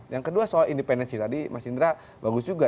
yang kedua soal independensi tadi mas indra bagus juga